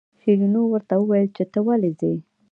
شیرینو ورته وویل چې ته ولې ځې.